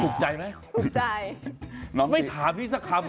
กิ้นกับน้อยเลย